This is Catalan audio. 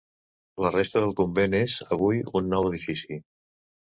La resta del convent és, avui, un nou edifici.